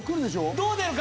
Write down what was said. どう出るか？